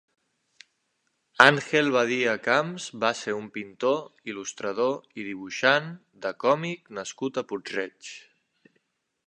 Ángel Badía Camps va ser un pintor, il·lustrador i dibuixant de còmic nascut a Puig-reig.